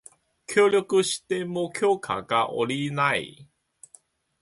協力しても許可が降りない